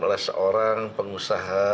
adalah seorang pengusaha